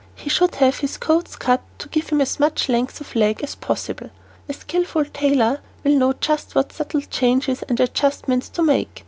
He should have his coats cut to give him as much length of leg as possible. A skilful tailor will know just what subtle changes and adjustments to make.